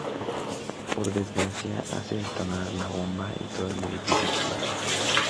Por desgracia, hace detonar la bomba y todo el edificio explota.